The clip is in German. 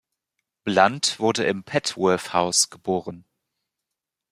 Blunt wurde im Petworth House geboren.